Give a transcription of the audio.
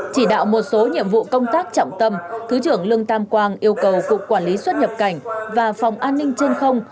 chỉ đạo một số nhiệm vụ công tác trọng tâm thứ trưởng lương tam quang yêu cầu cục quản lý xuất nhập cảnh và phòng an ninh trên không